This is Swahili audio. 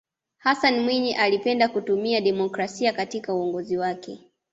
hassan mwinyi alipenda kutumia demokrasia katika uongozi wake